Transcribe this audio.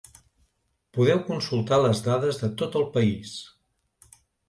Podeu consultar les dades de tot el país.